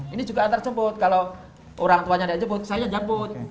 ini juga antarjemput kalau orang tuanya tidak jemput saya jemput